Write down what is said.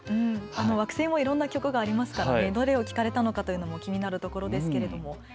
惑星もいろんな曲がありますからどれを聴かれたというのが気になるところです。